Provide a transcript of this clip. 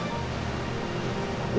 siapa yang dari tante rosal